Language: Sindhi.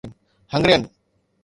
هنگرين